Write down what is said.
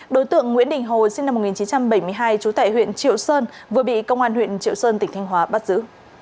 đối tượng nguyễn đình hồ sinh năm một nghìn chín trăm bảy mươi hai trú tại huyện triệu sơn vừa bị công an huyện triệu sơn tỉnh thanh hóa bắt giữ